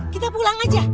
kita pulang aja